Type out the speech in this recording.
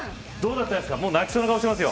泣きそうな顔をしていますよ。